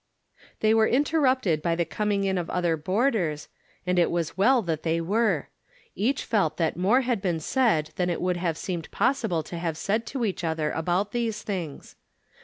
They were interrupted by the coming in of other boarders, and it was well that they were. Each felt that more had been said than it would have seemed possible to have said to each other about these things.